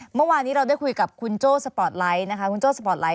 เมื่อวานี้เราได้คุยกับคุณโจ้สปอร์ตไลท์